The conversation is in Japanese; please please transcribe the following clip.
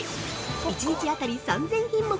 １日あたり３０００品目